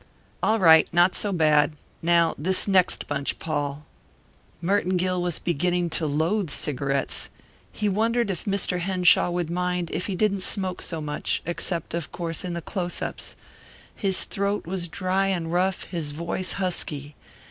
All right. Not so bad. Now this next bunch, Paul." Merton Gill was beginning to loathe cigarettes. He wondered if Mr. Henshaw would mind if he didn't smoke so much, except, of course, in the close ups. His throat was dry and rough, his voice husky.